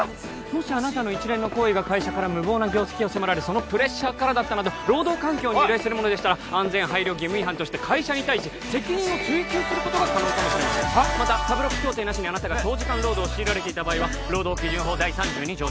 もしあなたの一連の行為が会社から無謀な業績を迫られそのプレッシャーからだったなど労働環境に由来するものでしたら安全配慮義務違反として会社に対して責任を追及することが可能かもしれませんまた３６協定なしにあなたが長時間労働を強いられていた場合労働基準法第３２条